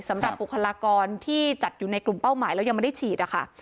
บุคลากรที่จัดอยู่ในกลุ่มเป้าหมายแล้วยังไม่ได้ฉีดนะคะ